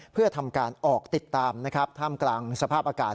เพื่อทำการออกติดตามนะครับท่ามกลางสภาพอากาศ